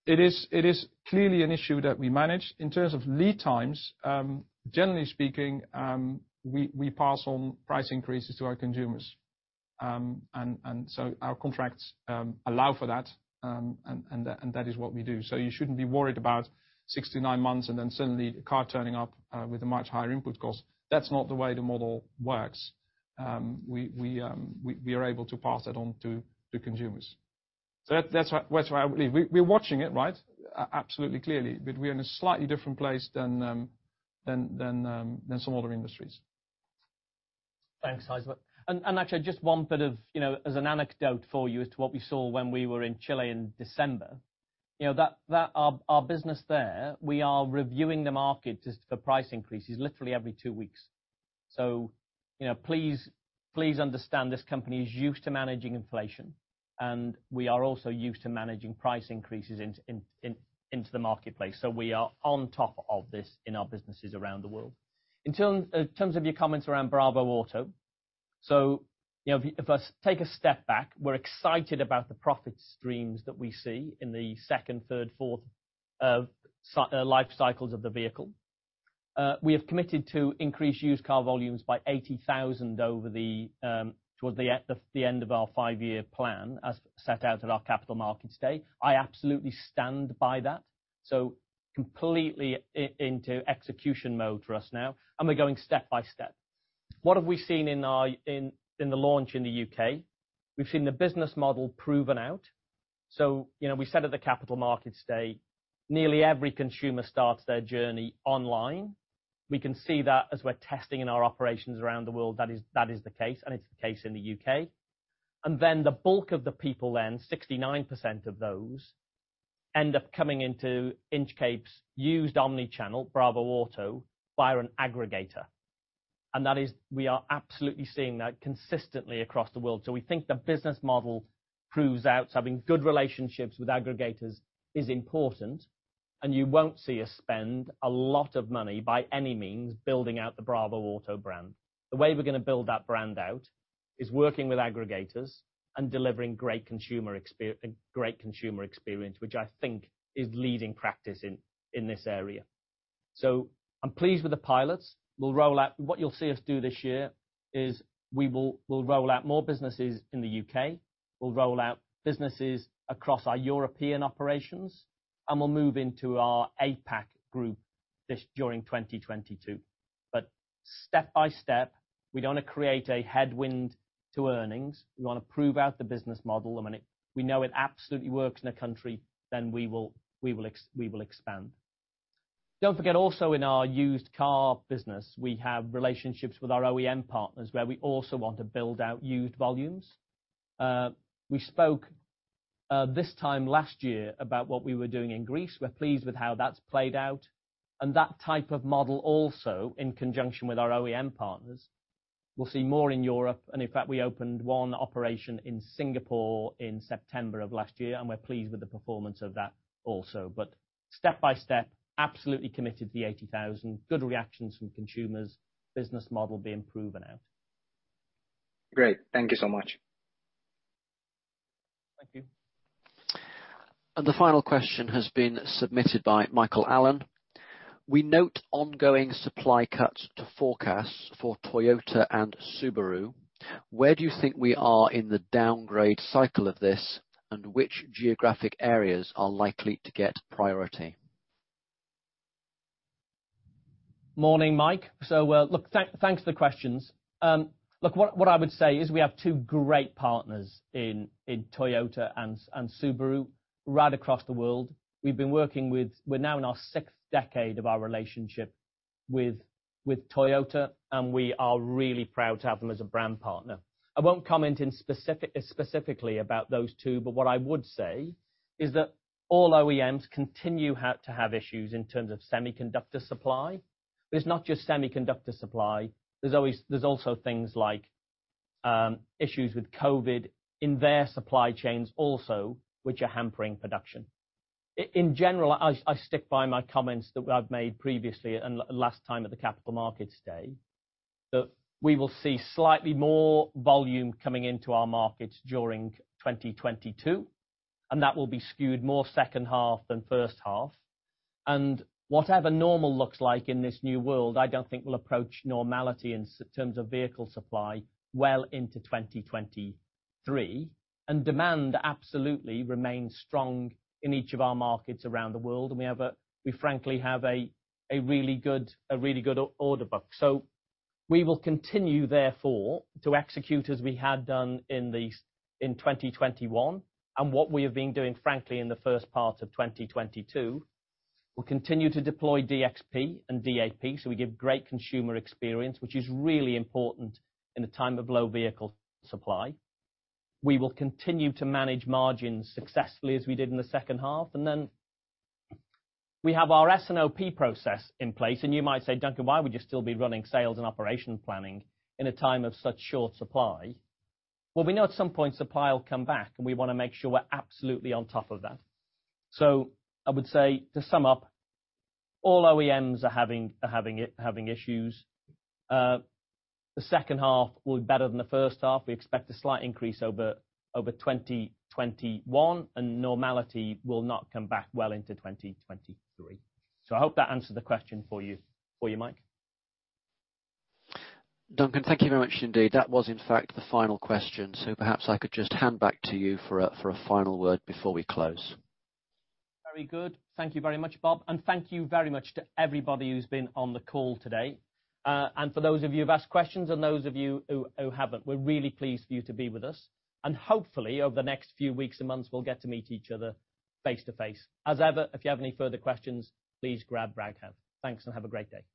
It is clearly an issue that we manage. In terms of lead times, generally speaking, we pass on price increases to our consumers. Our contracts allow for that, and that is what we do. You shouldn't be worried about six to nine months and then suddenly the car turning up with a much higher input cost. That's not the way the model works. We are able to pass that on to consumers. That's where I believe. We're watching it, right? Absolutely, clearly. We're in a slightly different place than some other industries. Thanks, Gijsbert. Actually just one bit as an anecdote for you as to what we saw when we were in Chile in December. Our business there, we are reviewing the market just for price increases literally every two weeks. Please understand this company is used to managing inflation, and we are also used to managing price increases into the marketplace. We are on top of this in our businesses around the world. In terms of your comments around bravoauto, if I take a step back, we're excited about the profit streams that we see in the second, third, fourth of life cycles of the vehicle. We have committed to increase used car volumes by 80,000 towards the end of our five-year plan as set out at our Capital Markets Day. I absolutely stand by that. Completely into execution mode for us now, and we're going step by step. What have we seen in the launch in the U.K.? We've seen the business model proven out. We said at the Capital Markets Day, nearly every consumer starts their journey online. We can see that as we're testing in our operations around the world, that is the case, and it's the case in the U.K. The bulk of the people then, 69% of those, end up coming into Inchcape's used omni-channel, bravoauto, via an aggregator. We are absolutely seeing that consistently across the world. We think the business model proves out having good relationships with aggregators is important, and you won't see us spend a lot of money by any means, building out the bravoauto brand. The way we're going to build that brand out is working with aggregators and delivering great consumer experience, which I think is leading practice in this area. I'm pleased with the pilots. What you'll see us do this year is we'll roll out more businesses in the U.K. We'll roll out businesses across our European operations, and we'll move into our APAC group during 2022. Step by step, we don't want to create a headwind to earnings. We want to prove out the business model. The minute we know it absolutely works in a country, we will expand. Don't forget, also in our used car business, we have relationships with our OEM partners where we also want to build out used volumes. We spoke this time last year about what we were doing in Greece. We're pleased with how that's played out. That type of model also, in conjunction with our OEM partners, we'll see more in Europe, and in fact, we opened one operation in Singapore in September of last year, and we're pleased with the performance of that also. Step by step, absolutely committed to the 80,000. Good reactions from consumers. Business model being proven out. Great. Thank you so much. Thank you. The final question has been submitted by Mike Allen. We note ongoing supply cuts to forecasts for Toyota and Subaru. Where do you think we are in the downgrade cycle of this, and which geographic areas are likely to get priority? Morning, Mike. Look, thanks for the questions. Look, what I would say is we have two great partners in Toyota and Subaru right across the world. We're now in our sixth decade of our relationship with Toyota, and we are really proud to have them as a brand partner. I won't comment specifically about those two, what I would say is that all OEMs continue to have issues in terms of semiconductor supply. It's not just semiconductor supply. There's also things like issues with COVID in their supply chains also, which are hampering production. In general, I stick by my comments that I've made previously and last time at the Capital Markets Day, that we will see slightly more volume coming into our markets during 2022, and that will be skewed more second half than first half. Whatever normal looks like in this new world, I don't think we'll approach normality in terms of vehicle supply well into 2023. Demand absolutely remains strong in each of our markets around the world, and we frankly have a really good order book. We will continue, therefore, to execute as we had done in 2021, and what we have been doing, frankly, in the first part of 2022. We'll continue to deploy DXP and DAP, so we give great consumer experience, which is really important in a time of low vehicle supply. We will continue to manage margins successfully as we did in the second half. We have our S&OP process in place. You might say, "Duncan, why would you still be running sales and operation planning in a time of such short supply?" Well, we know at some point supply will come back, and we want to make sure we're absolutely on top of that. I would say, to sum up, all OEMs are having issues. The second half will be better than the first half. We expect a slight increase over 2021, and normality will not come back well into 2023. I hope that answered the question for you, Mike. Duncan, thank you very much indeed. That was in fact the final question. Perhaps I could just hand back to you for a final word before we close. Very good. Thank you very much, Raghav. Thank you very much to everybody who's been on the call today. For those of you who've asked questions and those of you who haven't, we're really pleased for you to be with us. Hopefully, over the next few weeks and months, we'll get to meet each other face-to-face. As ever, if you have any further questions, please grab Raghav. Thanks. Have a great day.